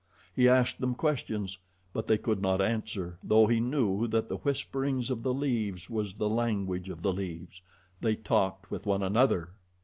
He asked them questions; but they could not answer, though he knew that the whispering of the leaves was the language of the leaves they talked with one another.